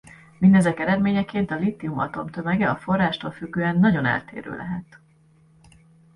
Mindezek eredményeként a lítium atomtömege a forrástól függően nagyon eltérő lehet.